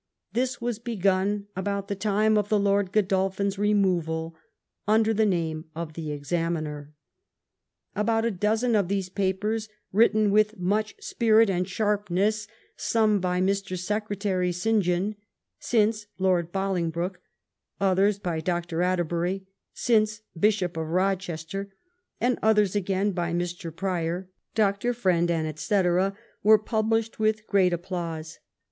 This was begun about the time of the Lord (lodolphin's removal, under the name of the Examiner. About a dozen of these papers, written with much spirit and sharpness, some by Mr. Secretary St. John, since Lord Bolingbroke; others by Dr. Atterbury, since Bishop of Rochester; and others again by Mr. Prior, Dr. Friend, &c., were published with great applause.